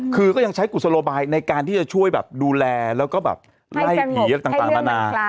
คือก็ยังใช้กุศโลบายในการที่จะช่วยแบบดูแลแล้วก็แบบไล่ผีอะไรต่างนานา